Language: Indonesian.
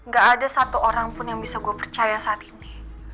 gak ada satu orang pun yang bisa gue percaya saat ini